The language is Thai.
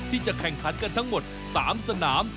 ที่จะแข่งขันกันทั้งหมด๓สนาม